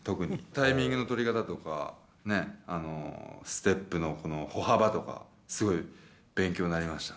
タイミングの取り方とかね、ステップの歩幅とか、すごい勉強になりました。